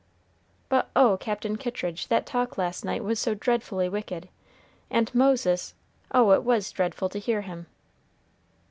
"But oh! Captain Kittridge, that talk last night was so dreadfully wicked! and Moses! oh, it was dreadful to hear him!"